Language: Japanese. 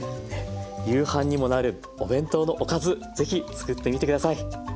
夕飯にもなるお弁当のおかず是非作ってみて下さい。